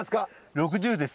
６０です。